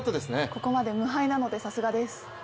ここまで無敗なのでさすがです。